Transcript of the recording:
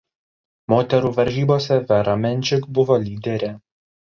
Moterų varžybose Vera Menčik buvo lyderė.